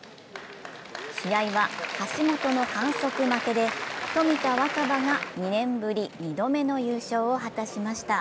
試合は橋本の反則負けで冨田若春が２年ぶり２度目の優勝を果たしました。